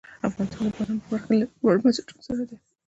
افغانستان د بادامو په برخه کې له نړیوالو بنسټونو سره دی.